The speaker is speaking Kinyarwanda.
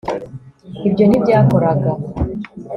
ibyo ntibyakoraga